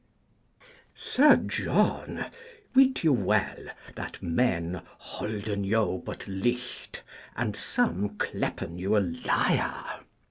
Sir John, wit you well that men holden you but light, and some clepen you a Liar.